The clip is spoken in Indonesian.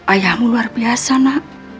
ayahmu luar biasa